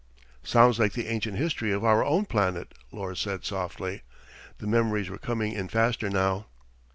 "Sounds like the ancient history of our own planet," Lors said softly. The memories were coming in faster now.